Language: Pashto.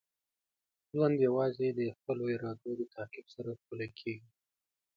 ژوند یوازې د خپلو ارادو د تعقیب سره ښکلی کیږي.